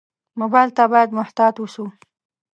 موبایل ته باید محتاط ووسو.